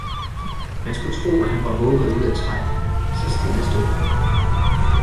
Man skulle tro, han var hugget ud af træ, så stille stod han